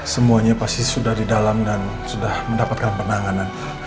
semuanya pasti sudah di dalam dan sudah mendapatkan penanganan